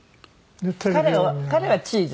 彼はチーズ。